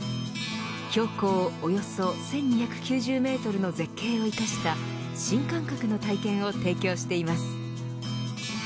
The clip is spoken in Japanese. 標高およそ１２９０メートルの絶景を生かした新感覚の体験を提供しています。